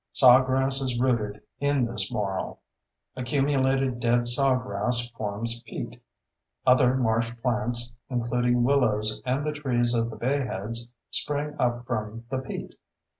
Sawgrass is rooted in this marl; accumulated dead sawgrass forms peat; other marsh plants, including willows and the trees of the bayheads, spring up from the peat.